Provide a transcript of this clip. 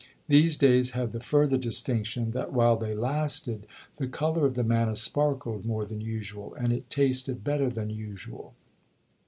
These days had the further distinction that, while they lasted, the color of the manna sparkled more than usual, and it tasted better than usual.